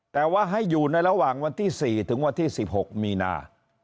แต่ว่าให้อยู่ในระหว่างวันที่๔ถึงวันที่๑๖มีนา